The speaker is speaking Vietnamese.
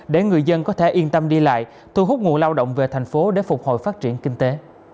để người dân có thể yên tâm đi lại thu hút nguồn lao động về thành phố để phục hồi phát triển kinh tế